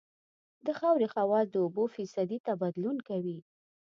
د خاورې خواص د اوبو فیصدي ته بدلون کوي